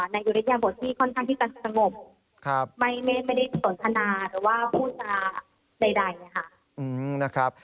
ในอยุธยาบทที่ค่อนข้างที่กันสงบไม่ได้สนทนาหรือว่าพูดสนาใด